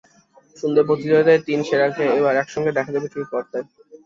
সুন্দরী প্রতিযোগিতার এই তিন সেরাকে এবার একসঙ্গে দেখা যাবে টিভির পর্দায়।